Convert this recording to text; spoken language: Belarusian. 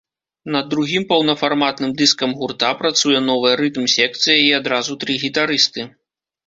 Над другім паўнафарматным дыскам гурта працуе новая рытм-секцыя і адразу тры гітарысты.